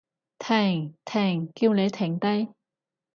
停！停！叫你停低！